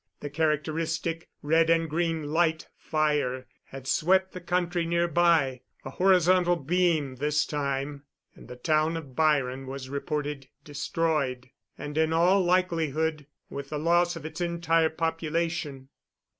The characteristic red and green light fire had swept the country near by a horizontal beam this time and the town of Byron was reported destroyed, and in all likelihood with the loss of its entire population.